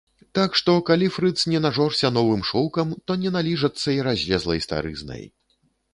Так што, калі фрыц не нажорся новым шоўкам, то не наліжацца і разлезлай старызнай.